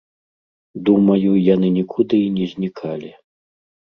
Думаю, яны нікуды і не знікалі.